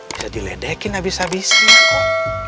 bisa diledekin abis abisnya kok